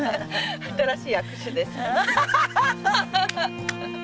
新しい握手ですね。